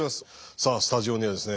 さあスタジオにはですね